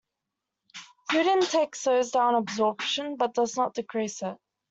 Food intake slows down absorption, but does not decrease it.